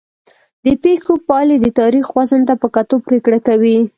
د پېښو پایلې د تاریخ وزن ته په کتو پرېکړه کوي.